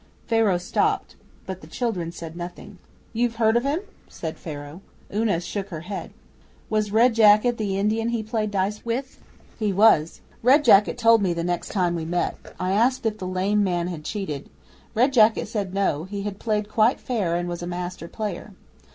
Pharaoh stopped, but the children said nothing. 'You've heard of him?' said Pharaoh. Una shook her head. 'Was Red Jacket the Indian he played dice with?' Dan asked. 'He was. Red Jacket told me the next time we met. I asked if the lame man had cheated. Red Jacket said no he had played quite fair and was a master player.